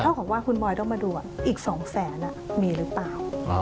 เขาก็บอกว่าคุณบอยต้องมาดูอีก๒๐๐๐๐๐๐บาทมีหรือเปล่า